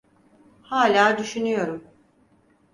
Hâlâ düşünüyorum.